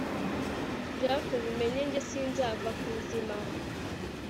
jack ubimenye njye sinzava kwizima